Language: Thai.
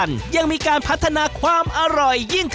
ขอบคุณมากด้วยค่ะพี่ทุกท่านเองนะคะขอบคุณมากด้วยค่ะพี่ทุกท่านเองนะคะ